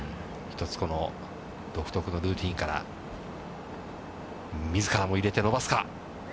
一つこの独特のルーティンからみずからも入れて伸ばすか？